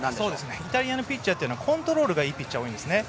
イタリアのピッチャーはコントロールがいいピッチャーが多いんですね。